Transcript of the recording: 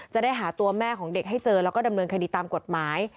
จะได้หาตัวแม่ของเด็กให้เจอแล้วก็ดำเนินคดีตามกฎหมาย